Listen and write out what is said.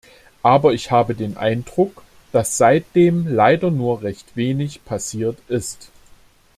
Aber ich habe den Eindruck, dass seitdem leider nur recht wenig passiert ist.